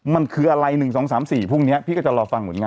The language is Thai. มันคืออะไร๑๒๓๔พรุ่งนี้พี่ก็จะรอฟังผลงาน